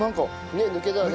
ねっ抜けたよね。